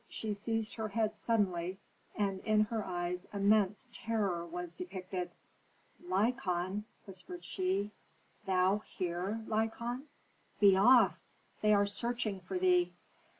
She seized her head suddenly, and in her eyes immense terror was depicted. "Lykon!" whispered she. "Thou here, Lykon? Be off! They are searching for thee."